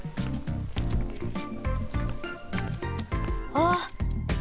あっ。